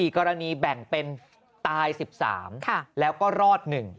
กรณีแบ่งเป็นตาย๑๓แล้วก็รอด๑